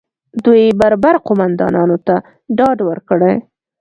دوی بربر قومندانانو ته ډاډ ورکړي